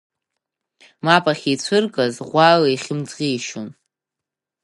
Мап ахьицәыркыз ӷәӷәала ихьымӡӷишьон…